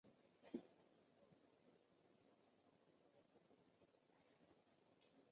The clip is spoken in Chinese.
无法真正自主